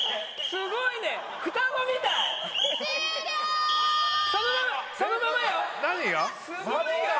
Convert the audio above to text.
すごいよ！